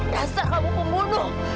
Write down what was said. dasar kamu pembunuh